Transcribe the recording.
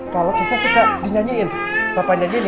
kalau kesya suka dinyanyiin